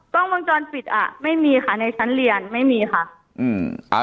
กล้องวงจรปิดอ่ะไม่มีค่ะในชั้นเรียนไม่มีค่ะอืมอ่า